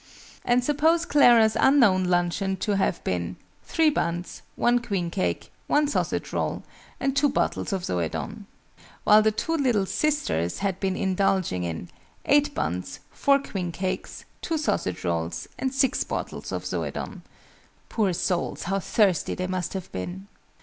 And suppose Clara's unknown luncheon to have been "3 buns, one queen cake, one sausage roll, and 2 bottles of Zoëdone:" while the two little sisters had been indulging in "8 buns, 4 queen cakes, 2 sausage rolls, and 6 bottles of Zoëdone." (Poor souls, how thirsty they must have been!)